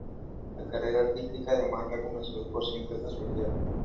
La carrera artística de Amanda comenzó por simple casualidad.